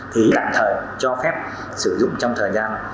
thì tạm thời cho phép sử dụng trong thời gian